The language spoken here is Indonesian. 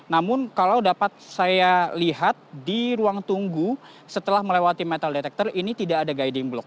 namun kalau dapat saya lihat di ruang tunggu setelah melewati metal detector ini tidak ada guiding block